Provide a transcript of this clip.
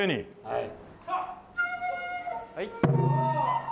はい。